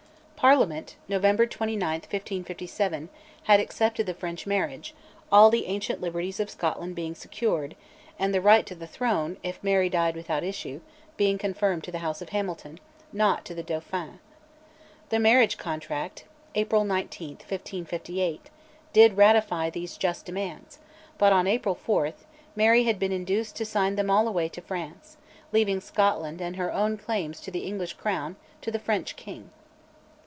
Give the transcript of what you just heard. Parliament (November 29, 1557) had accepted the French marriage, all the ancient liberties of Scotland being secured, and the right to the throne, if Mary died without issue, being confirmed to the House of Hamilton, not to the Dauphin. The marriage contract (April 19, 1558) did ratify these just demands; but, on April 4, Mary had been induced to sign them all away to France, leaving Scotland and her own claims to the English crown to the French king.